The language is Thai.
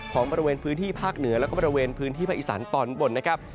บริเวณพื้นที่ภาคเหนือแล้วก็บริเวณพื้นที่ภาคอีสานตอนบนนะครับ